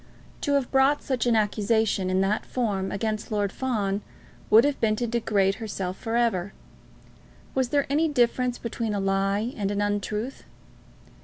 To have brought such an accusation, in that term, against Lord Fawn, would have been to degrade herself for ever. Was there any difference between a lie and an untruth?